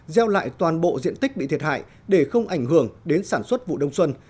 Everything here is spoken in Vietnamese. gieo lại toàn bộ diện tích bị thiệt hại để không ảnh hưởng đến sản xuất vụ đông xuân